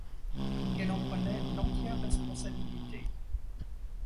Qu'elle en prenait l'entière responsabilité.